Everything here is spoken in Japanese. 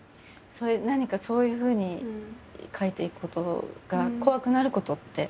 何かそういうふうに書いていくことが怖くなることってないですか？